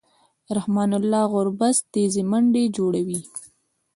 رحمن الله ګربز تېزې منډې جوړوي.